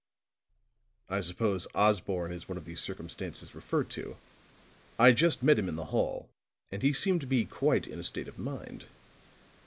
"I suppose Osborne is one of the circumstances referred to. I just met him in the hall, and he seemed to be quite in a state of mind.